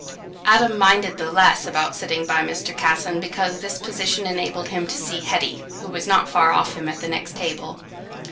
Adam minded the less about sitting by Mr. Casson, because this position enabled him to see Hetty, who was not far off him at the next table.